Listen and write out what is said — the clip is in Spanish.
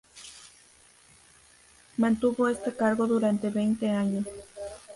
Mantuvo este cargo durante veinte años.